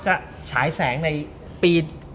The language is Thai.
ฉายแสงในปี